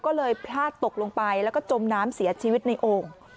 ก็เลยพลาดตกลงไปแล้วก็จมน้ำเสียชีวิตในโอ่ง